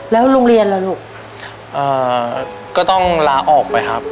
แล้วโรงเรียนล่ะลูกก็ต้องลาออกไปครับ